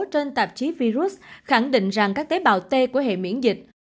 trên tạp chí virus khẳng định rằng các tế bào t của hệ miễn dịch